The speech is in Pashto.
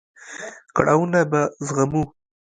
کړاوونه به زغمو.